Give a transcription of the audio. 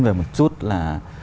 về một chút là